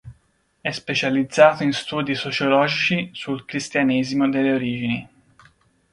È specializzato in studi sociologici sul cristianesimo delle origini.